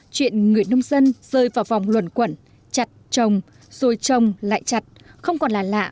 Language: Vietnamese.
chuyện người nông dân rơi vào vòng luồn quẩn chặt trồng rồi trồng lại chặt không còn là lạ ở lục ngạn